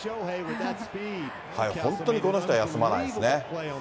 本当にこの人は休まないですね。